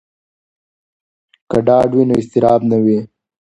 که ډاډ وي نو اضطراب نه وي.